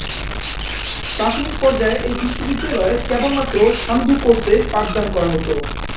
প্রাথমিক পর্যায়ে এই বিশ্ববিদ্যালয়ে কেবলমাত্র সান্ধ্য কোর্সে পাঠদান করা হতো।